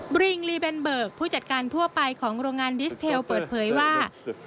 บริงลีเบนเบิกผู้จัดการทั่วไปของโรงงานดิสเทลเปิดเผยว่า